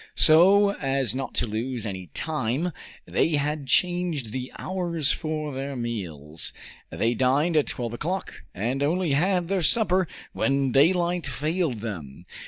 So as not to lose any time they had changed the hours for their meals; they dined at twelve o'clock, and only had their supper when daylight failed them.